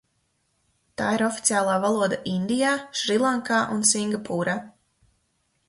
Tā ir oficiālā valoda Indijā, Šrilankā un Singapūrā.